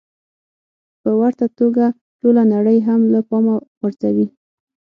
په ورته توګه ټوله نړۍ هم له پامه غورځوي.